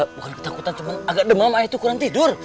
bukan ketakutan cuman agak demam ayah tuh kurang tidur